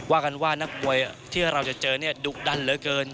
ว่ากันว่านักมวยที่เราจะเจอเนี่ยดุดันเหลือเกิน